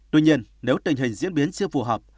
tuy nhiên nếu tình hình diễn biến chưa phù hợp